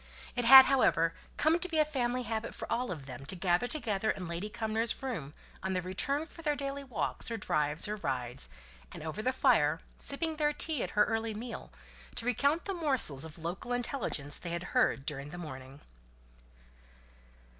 It had, however, come to be a family habit for all of them to gather together in Lady Cumnor's room on their return from their daily walks, or drives, or rides, and over the fire, sipping their tea at her early meal, to recount the morsels of local intelligence they had heard during the morning.